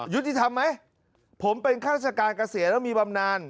ยุติธรรมไหมผมเป็นข้าราชการเกษียณแล้วมีบำนาน